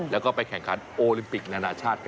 แล้วก็ไปแข่งขันโอลิมปิกนานาชาติ